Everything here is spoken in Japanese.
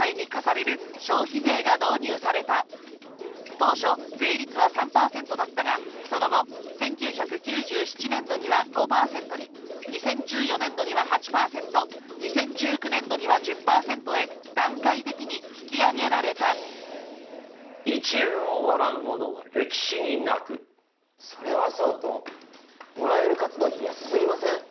当初税率は３％だったがその後１９９７年度には５％に２０１４年度には８％２０１９年度には１０％へ段階的に引き上げられたそれはそうともらえる活動費安過ぎません？